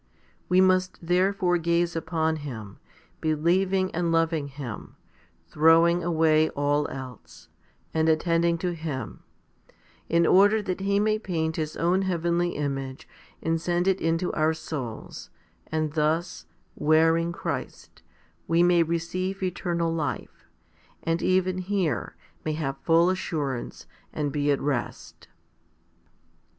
We must therefore gaze upon Him, believing and loving Him, throwing away all else, and attending to Him, in order that He may paint His own heavenly image and send it into our souls, and thus, wearing Christ, we may receive eternal life, and even here may have full assurance and be at rest.